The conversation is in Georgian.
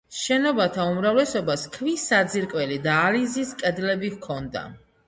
შენობათა უმრავლესობას ქვის საძირკველი და ალიზის კედლები ჰქონდა.